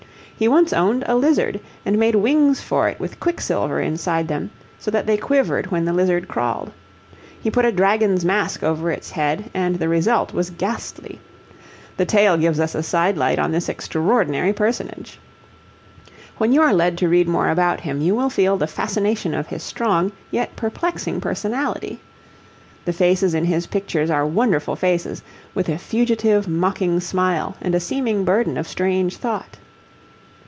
He once owned a lizard, and made wings for it with quicksilver inside them, so that they quivered when the lizard crawled. He put a dragon's mask over its head, and the result was ghastly. The tale gives us a side light on this extraordinary personage. When you are led to read more about him you will feel the fascination of his strong, yet perplexing personality. The faces in his pictures are wonderful faces, with a fugitive mocking smile and a seeming burden of strange thought.